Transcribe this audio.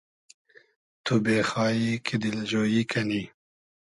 تو بېخایی کی دیلجۉیی کنی